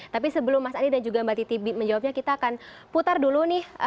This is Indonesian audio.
tapi sebelum mas adi dan juga mbak titi menjawabnya kita akan putar dulu nih